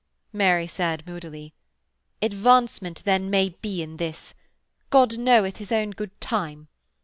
Mary said moodily: 'Advancement, then, may be in this. God knoweth his own good time.